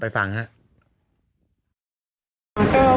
ไปฟังเสียงผู้เสียหายแล้วก็ผู้จัดงานกันสักนิดหนึ่งนะครับ